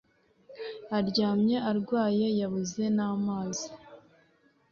aryamye arwaye yabuze namazi